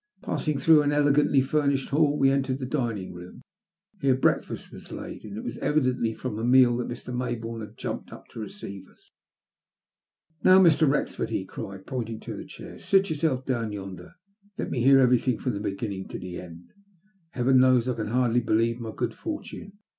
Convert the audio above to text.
Passing through an elegantly furnished hall we entered the dining room. Here breakfast was laid, and it was evidently from that meal that Mr. May bourne had jumped up to receive us. "Now, Mr. Wrexford," he cried, pointing to a chair, "sit yourself down yonder, and let me heiir everything from the beginning to the end. Heaven knows I can hardly believe my good fortune.